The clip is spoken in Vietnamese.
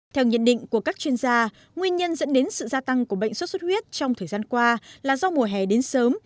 theo nhận định của các chuyên gia nguyên nhân dẫn đến sự gia tăng của bệnh xuất xuất huyết trong thời gian qua là do mùa hè đến sớm